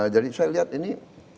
jadi saya lihat ini